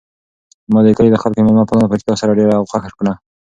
ما د کلي د خلکو مېلمه پالنه په رښتیا سره ډېره خوښه کړه.